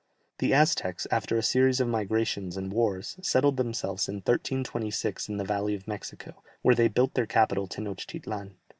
The Aztecs, after a series of migrations and wars, settled themselves in 1326 in the valley of Mexico, where they built their capital Tenochtitlan.